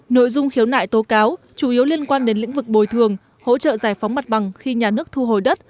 nội dung khiếu nại tố cáo chủ yếu liên quan đến lĩnh vực bồi thường hỗ trợ giải phóng mặt bằng khi nhà nước thu hồi đất